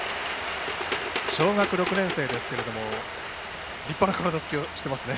小学６年生ですけれども立派な体つきをしていますね。